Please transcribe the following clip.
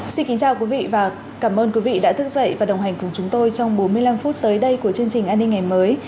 xin kính chào quý vị và cảm ơn quý vị đã thức dậy và đồng hành cùng chúng tôi trong bốn mươi năm phút tới đây của chương trình an ninh ngày mới